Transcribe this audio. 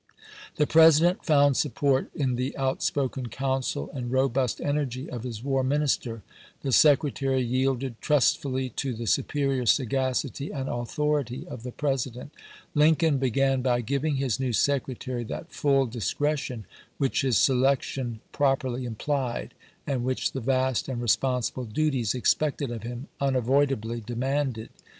The President found support in the outspoken counsel and robust energy of his war minister; the Secretary yielded trustfully to the superior sagacity and authority of the President. Lincoln began by giving his new Secretaiy that full ciiscretion which his selection properly implied, and which the vast and responsible duties expected of him unavoidably demanded.